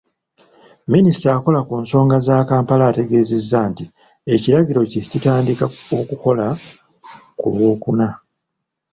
Minisita akola ku nsonga za Kampala ategeezezza nti ekiragiro kye kitandika okukola ku Lwokuna.